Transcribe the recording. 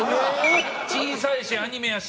小さいしアニメやし。